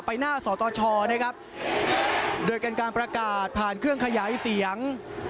หน้าสตชนะครับโดยเป็นการประกาศผ่านเครื่องขยายเสียง